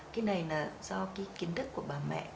cái này là do cái kiến thức của bà mẹ